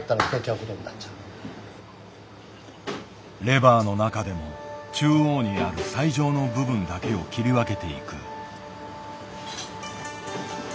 レバーの中でも中央にある最上の部分だけを切り分けていく。